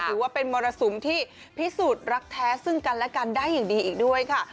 ถือว่าเป็นมรสุมที่พิสูจน์รักแท้ซึ่งกันและกันได้อย่างดีอีกด้วยค่ะ